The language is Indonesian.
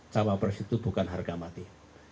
cawapres itu bukan harga mati